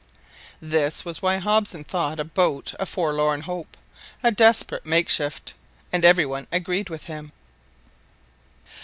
This was why Hobson thought a boat a forlorn hope, a desperate makeshift, and every one agreed with him.